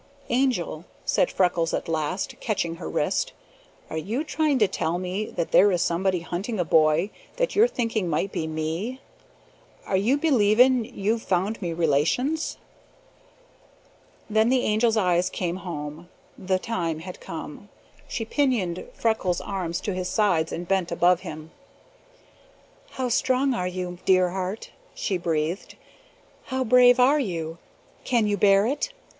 "Angel," said Freckles at last, catching her wrist, "are you trying to tell me that there is somebody hunting a boy that you're thinking might be me? Are you belavin' you've found me relations?" Then the Angel's eyes came home. The time had come. She pinioned Freckles' arms to his sides and bent above him. "How strong are you, dear heart?" she breathed. "How brave are you? Can you bear it?